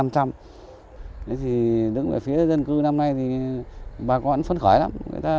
thế thì đứng về phía dân cư năm nay thì bà con vẫn phấn khởi lắm